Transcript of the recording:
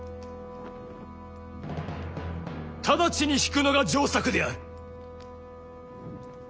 直ちに引くのが上策である！